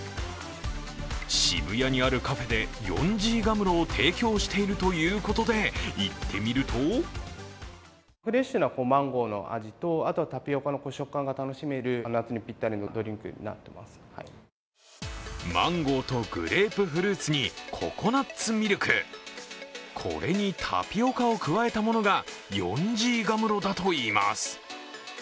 渋谷にあるカフェでヨンジーガムロを提供しているということで行ってみるとマンゴーとグレープフルーツにココナツミルク、これにタピオカを加えたものがヨンジーガムロだといいます。